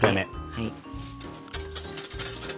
はい。